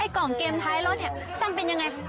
ไอ้กล่องเกมท้ายรถนี่จำเป็นอย่างไร